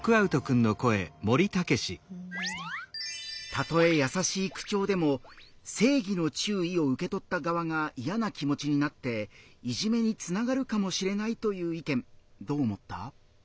たとえ優しい口調でも「正義の注意」を受け取った側が嫌な気持ちになっていじめにつながるかもしれないという意見どう思った？